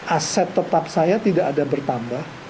aset tetap saya tidak ada bertambah